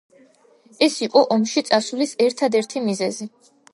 ეს იყო ომში წასვლის ერთადერთი მიზეზი.